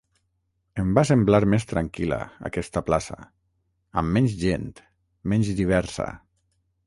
Em va semblar més tranquil·la, aquesta plaça... amb menys gent, menys diversa...